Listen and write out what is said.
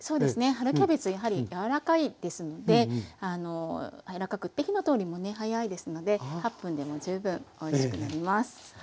春キャベツやはり柔らかいですので柔らかくて火の通りもね早いですので８分でも十分おいしくなります。